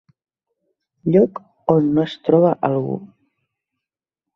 Lloc on es troba algú.